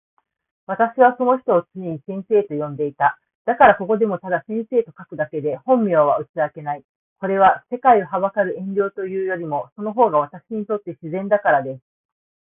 私はその人を常に先生と呼んでいた。だからここでもただ先生と書くだけで本名は打ち明けない。これは、世界を憚る遠慮というよりも、その方が私にとって自然だからです。